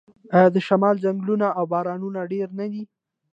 آیا د شمال ځنګلونه او بارانونه ډیر نه دي؟